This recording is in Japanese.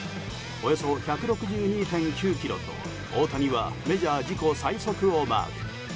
およそ１６２．９キロと大谷はメジャー自己最速をマーク。